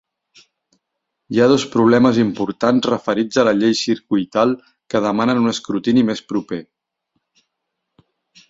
Hi ha dos problemes importants referits a la llei circuital que demanen un escrutini més proper.